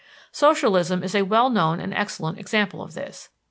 Socialism is a well known and excellent example of this.